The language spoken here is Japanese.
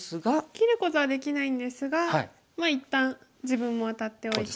切ることはできないんですがまあ一旦自分もワタっておいて。